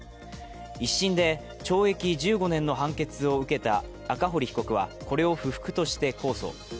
１審で懲役１５年の判決を受けた赤堀被告はこれを不服として控訴。